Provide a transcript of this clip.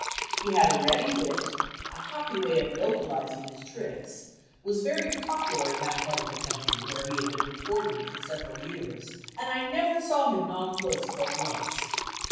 He had a ready wit, a happy way of localizing his tricks, was very popular in that part of the country, where he had been performing for several years, and I never saw him nonplussed but once.